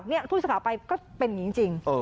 นี่ผู้สื่อข่าวไปก็เป็นอย่างนี้จริง